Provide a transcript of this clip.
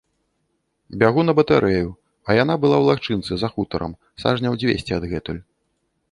Бягу на батарэю, а яна была ў лагчынцы, за хутарам, сажняў дзвесце адгэтуль.